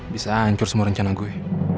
bisa hancur semua rencana gue